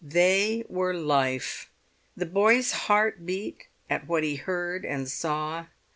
They were Life. The boy's heart beat at what he heard and saw.